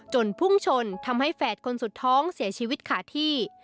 พุ่งชนทำให้แฝดคนสุดท้องเสียชีวิตขาดที่